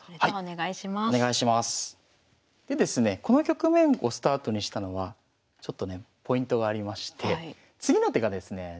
この局面をスタートにしたのはちょっとねポイントがありまして次の手がですね